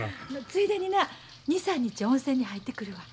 ついでにな２３日温泉に入ってくるわ。